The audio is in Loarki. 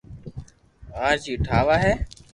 آج ھي ٺاوا ھي